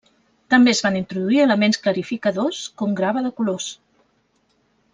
També es van introduir elements clarificadors, com grava de colors.